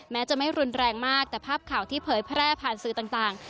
แม้จะไม่รุนแรงมากแต่ภาพข่าวที่เผยแพร่ผ่านสื่อต่าง